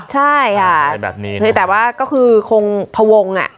ใช่ค่ะแต่ว่าก็คือคงพวงอ่ะ